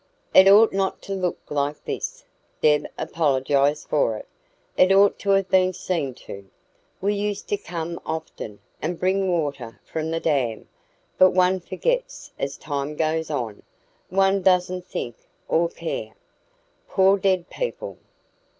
"It ought not to look like this," Deb apologised for it. "It ought to have been seen to. We used to come often, and bring water from the dam. But one forgets as time goes on; one doesn't think or care. Poor dead people!